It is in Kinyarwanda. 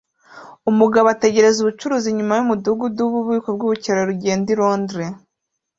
Umugabo ategereza ubucuruzi inyuma yumudugudu wububiko bwubukerarugendo i Londres